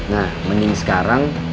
nah mending sekarang